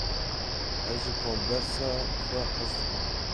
Ez ji kombersa xwe hez dikim.